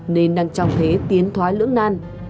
nên đang trong thế tiến thoái lưỡng nan